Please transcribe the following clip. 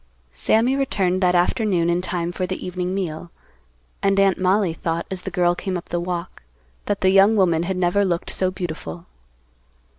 Sammy returned that afternoon in time for the evening meal, and Aunt Mollie thought, as the girl came up the walk, that the young woman had never looked so beautiful.